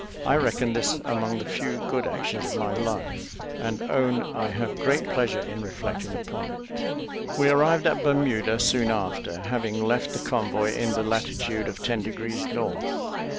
I reckon this among the few good actions of my life, and own I have great pleasure in reflecting upon it. We arrived at Bermuda soon after, having left the convoy in the latitude of ten degrees north.